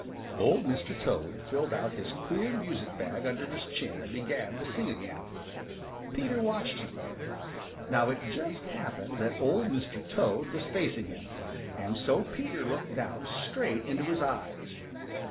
Old Mr. Toad filled out his queer music bag under his chin and began to sing again. Peter watched him. Now it just happened that Old Mr. Toad was facing him, and so Peter looked down straight into his eyes.